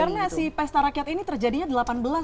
karena si pesta rakyat ini terjadinya delapan belas